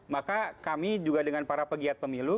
maka kami juga dengan para pegiat pemilu